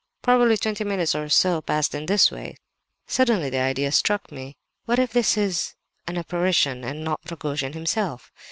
Probably twenty minutes or so passed in this way. Suddenly the idea struck me—what if this is an apparition and not Rogojin himself?